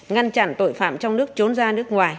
ngăn chặn tội phạm trong nước trốn ra nước ngoài